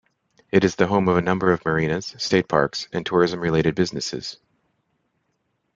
It is the home of a number of marinas, state parks and tourism-related businesses.